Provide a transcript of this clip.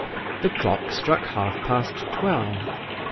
The clock struck half past twelve.